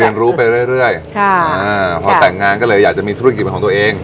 เรียนรู้ไปเรื่อยค่ะอ่าพอแต่งงานก็เลยอยากจะมีธุรกิจเป็นของตัวเอง